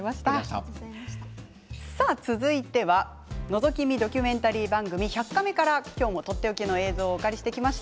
続いてはのぞき見ドキュメンタリー番組「１００カメ」から今日もとっておきの映像をお借りしてきました。